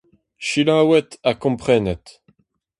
Selaouit ha komprenit.